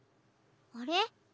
あれ？